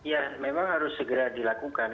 ya memang harus segera dilakukan